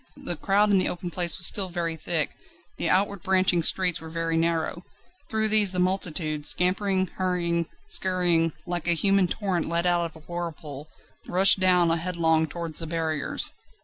The crowd in the open place was still very thick, the outward branching streets were very narrow: through these the multitude, scampering, hurrying, scurrying, like a human torrent let out of a whirlpool, rushed down headlong towards the barriers.